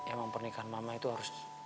emang pernikahan mama itu harus